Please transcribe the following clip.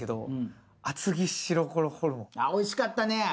あっおいしかったね